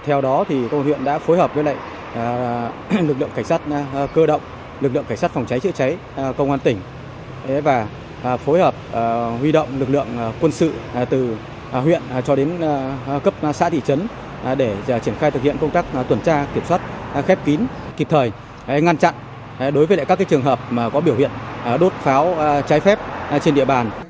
theo đó công an huyện đã phối hợp với lực lượng cảnh sát cơ động lực lượng cảnh sát phòng cháy chữa cháy công an tỉnh và phối hợp huy động lực lượng quân sự từ huyện cho đến cấp xã thị trấn để triển khai thực hiện công tác tuần tra kiểm soát khép kín kịp thời ngăn chặn đối với các trường hợp có biểu hiện đốt pháo cháy phép trên địa bàn